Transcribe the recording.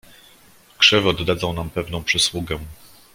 "Krzewy oddadzą nam pewną przysługę."